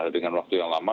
dengan waktu yang lama